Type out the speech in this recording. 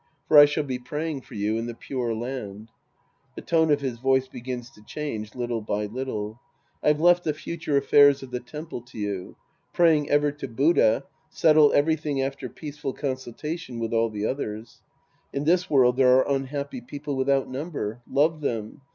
For I shall be pray ing for you in the Pure Land, {^he tone of his voice begins to change little by little^ I've left the future affairs of the temple to you. Praying ever to Buddha, settle everything after peaceful consultation with all the others. In this world, there are unhappy people without number. Love them.